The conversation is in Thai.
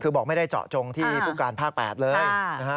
คือบอกไม่ได้เจาะจงที่ภูทรภาค๘เลย